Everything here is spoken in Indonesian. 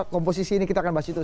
komposisi ini kita akan bahas itu